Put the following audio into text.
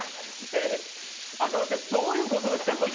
赤星さん、どういうことですか。